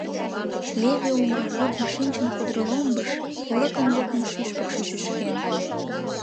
Леве умыр водын Шинчын кудыр ломбыш, Лыкын-лукын шӱшпыкшӧ шӱшкен.